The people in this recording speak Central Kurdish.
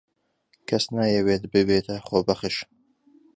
کەس نایەوێت ببێتە خۆبەخش.